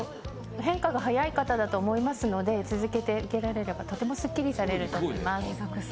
変化が早い方だと思いますので続けて受けられればとてもスッキリされると思います。